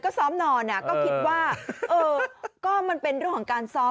ก็ซ้อมนอนก็คิดว่าเออก็มันเป็นเรื่องของการซ้อม